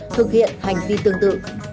thực hiện hành vi tương tự